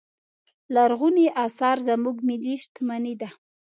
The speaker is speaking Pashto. لرغوني اثار زموږ ملي شتمنې ده.